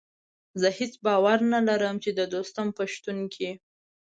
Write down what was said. زه هېڅ باور نه لرم چې د دوستم په شتون کې.